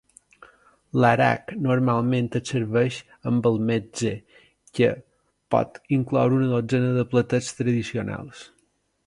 L'araq normalment es serveix amb el mezze, que pot incloure una dotzena de platets tradicionals.